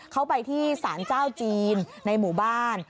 เขาไปที่สารเจ้าจีนในหมู่บ้าน